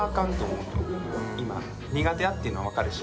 苦手やっていうのは分かるし